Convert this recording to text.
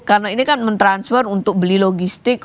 karena ini kan mentransfer untuk beli logistik